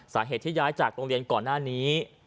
สาเหตุที่ย้ายจากโรงเรียนก่อนหน้านี้